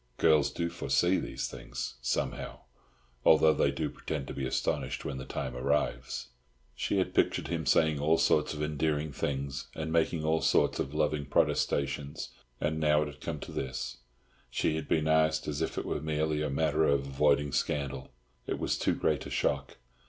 Girls do foresee these things, somehow; although they do pretend to be astonished when the time arrives. She had pictured him saying all sorts of endearing things, and making all sorts of loving protestations; and now it had come to this—she had been asked as if it were merely a matter of avoiding scandal. It was too great a shock.